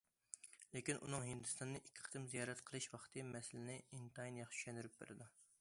لېكىن ئۇنىڭ ھىندىستاننى ئىككى قېتىم زىيارەت قىلىش ۋاقتى مەسىلىنى ئىنتايىن ياخشى چۈشەندۈرۈپ بېرىدۇ.